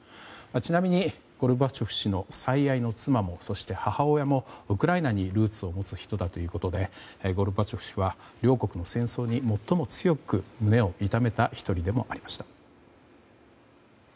ちなみに、ゴルバチョフ氏の最愛の妻もそして母親もウクライナにルーツを持つ人だということでゴルバチョフ氏は両国の戦争に最も強く胸を痛めた１人でもありました。